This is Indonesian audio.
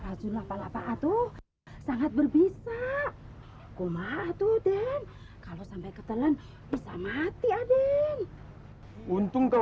raju lapar lapar atuh sangat berbisa gua maaf tuh den kalau sampai ketelan bisa mati aden untung kau